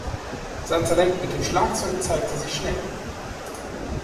Sein Talent mit dem Schlagzeug zeigte sich schnell.